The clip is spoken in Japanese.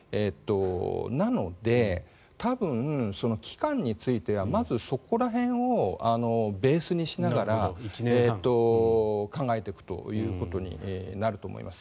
なので、多分、期間についてはまずそこら辺をベースにしながら考えていくということになると思います。